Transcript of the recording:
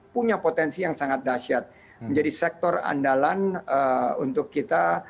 punya potensi yang sangat dahsyat menjadi sektor andalan untuk kita